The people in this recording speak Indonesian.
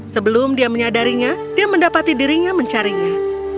sebelum dia menyadarinya dia mendapati dirinya mencarinya